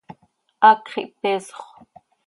¡Hacx ihpeesxö!